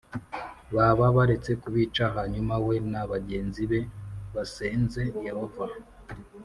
baba baretse kubica Hanyuma we na bagenzi be basenze Yehova